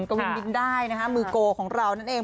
กวินบินได้นะคะมือโกของเรานั่นเอง